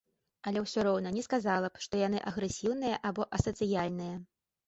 Але ўсё роўна не сказала б, што яны агрэсіўныя або асацыяльныя.